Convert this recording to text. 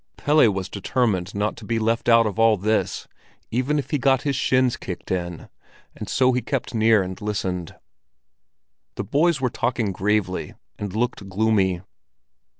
Pelle was determined not to be left out of all this, even if he got his shins kicked in, and so kept near and listened. The boys were talking gravely and looked gloomy.